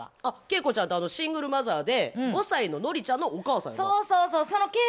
あっ景子ちゃんってシングルマザーで５歳のノリちゃんのお母さんやろ。